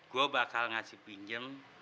gue bakal ngasih pinjem